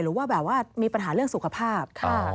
หรือว่าแบบว่ามีปัญหาเรื่องสุขภาพ